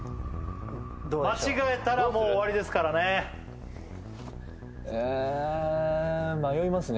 間違えたらもう終わりですからねええ迷いますね